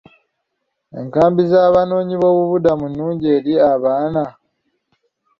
Enkambi z'Abanoonyi boobubudamu nnungi eri abaana?